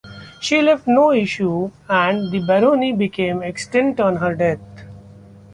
She left no issue and the barony became extinct on her death.